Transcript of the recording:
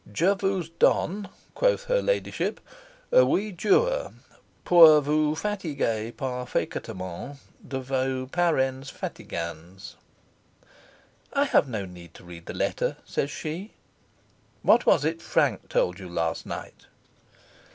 "Je vous donne," quoth her ladyship, "oui jour, pour vous fatigay parfaictement de vos parens fatigans") "I have no need to read the letter," says she. "What was it Frank told you last night?"